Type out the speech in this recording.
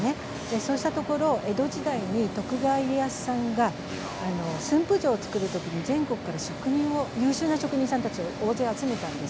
そうしたところ江戸時代に徳川家康さんが駿府城を造る時に全国から優秀な職人さんたちを大勢集めたんです。